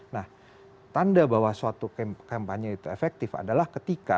nah tanda bahwa suatu kampanye itu efektif adalah ketika